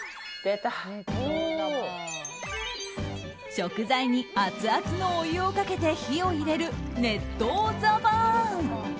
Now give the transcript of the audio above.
食材にアツアツのお湯をかけて火を入れる熱湯ザバーン。